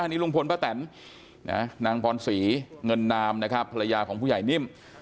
อันนี้ลุงพลประแจนนางพรสีเงินนามภรรยาของผู้ใหญ่นิ่ม